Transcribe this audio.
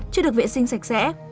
chứ được vệ sinh sạch sẽ